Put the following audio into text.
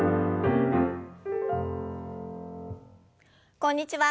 こんにちは。